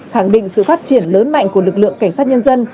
khẳng định sự phát triển lớn mạnh của lực lượng cảnh sát nhân dân